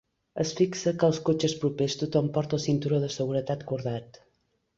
Es fixa que als cotxes propers tothom porta el cinturó de seguretat cordat.